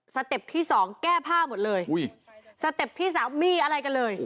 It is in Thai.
สเต็ปที่สามีอะไรกันเลย